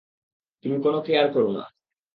তুমি কোনও কেয়ার করো না?